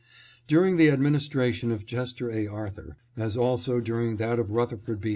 During the administration of Chester A. Arthur, as also during that of Rutherford B.